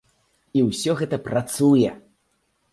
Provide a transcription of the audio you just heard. І ўсё гэта працуе!